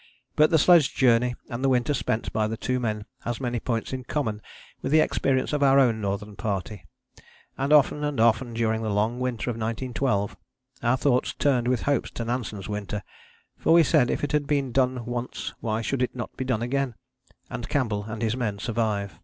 But the sledge journey and the winter spent by the two men has many points in common with the experience of our own Northern Party, and often and often during the long winter of 1912 our thoughts turned with hope to Nansen's winter, for we said if it had been done once why should it not be done again, and Campbell and his men survive.